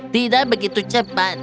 tidak begitu cepat